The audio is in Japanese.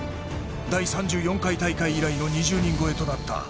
第３４回大会以来の２０人超えとなった。